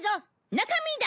中身だ！